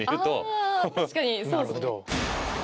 ああ確かにそうですね。